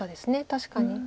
確かに。